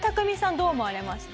どう思われました？